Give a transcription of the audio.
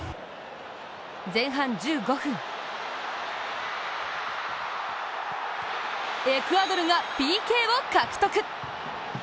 前半１５分、エクアドルがＰＫを獲得。